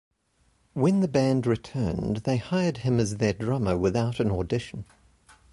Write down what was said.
When the band returned, they hired him as their drummer without an audition.